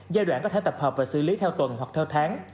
giai đoạn có thể tập hợp và xử lý theo tuần hoặc theo tháng